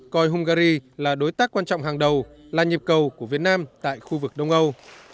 coi hungary là đối tác quan trọng hàng đầu là nhịp cầu của việt nam tại khu vực đông âu